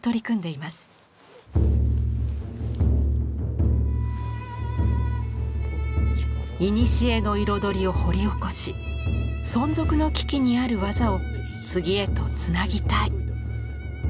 いにしえの彩りを掘り起こし存続の危機にある技を次へとつなぎたい。